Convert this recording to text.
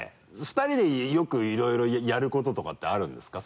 ２人でよくいろいろやる事とかってあるんですか？